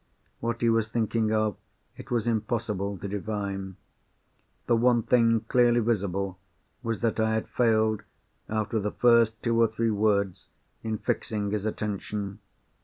What he was thinking of, it was impossible to divine. The one thing clearly visible was that I had failed, after the first two or three words, in fixing his attention.